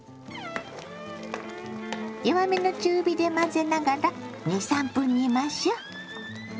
弱めの中火で混ぜながら２３分煮ましょ。